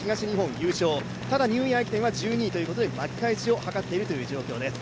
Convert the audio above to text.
ただニューイヤー駅伝は１２位ということで巻き返しを図っている状況です。